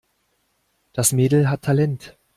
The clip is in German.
Das Mädel hat Talent.